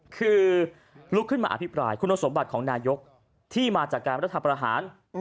คือลุกขึ้นมาอภิปรายคุณสมบัติของนายกที่มาจากการรัฐประหาร